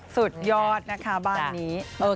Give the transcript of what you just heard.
สุดยอดนะคะบ้านนี้